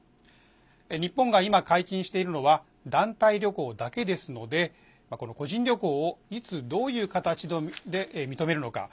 日本が今、解禁しているのは団体旅行だけですのでこの個人旅行をいつ、どういう形で認めるのか。